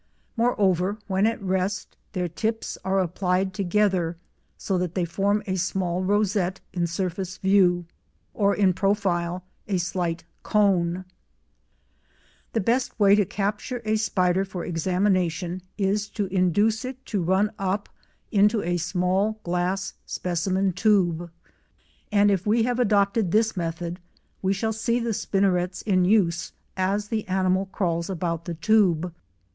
Moreover when at rest their tips are applied together so that they form a small rosette in surface view, or, in profile, a slight cone. The best way to capture a spider for examination is to induce it to run up into a small glass specimen tube—for spiders readily part with their legs if handled roughly—and if we have adopted this method we shall see the spinnerets in use as the animal crawls about the tube.